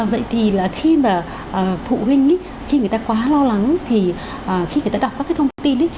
vậy thì là khi mà phụ huynh khi người ta quá lo lắng thì khi người ta đọc các cái thông tin ấy